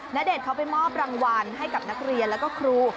ณเดชนเขาไปมอบรางวัลให้กับนักเรียนแล้วก็ครู